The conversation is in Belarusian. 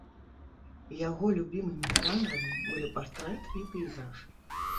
Яго любімымі жанрамі былі партрэт і пейзаж.